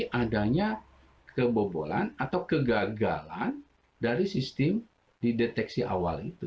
tapi adanya kebobolan atau kegagalan dari sistem di deteksi awal itu